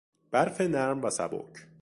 برف نرم و سبک